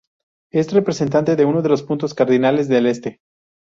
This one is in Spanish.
Es representante de uno de los puntos cardinales, el este.